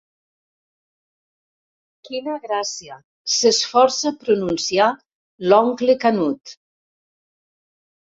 Quina gràcia, s'esforça a pronunciar l'oncle Canut.